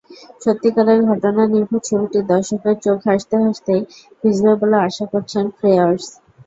সত্যিকারের ঘটনানির্ভর ছবিটির দর্শকের চোখ হাসতে হাসতেই ভিজবে বলে আশা করছেন ফ্রেয়ার্স।